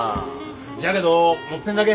じゃけどもっぺんだけ。